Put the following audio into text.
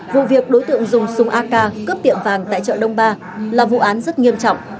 vụ việc đối tượng dùng súng ak cướp tiệm vàng tại chợ đông ba là vụ án rất nghiêm trọng